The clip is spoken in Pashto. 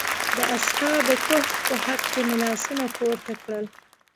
د اصحاب کهف په حق کې مې لاسونه پورته کړل.